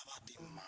masih ada sisa